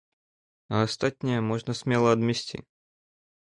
А астатняе можна смела адмесці.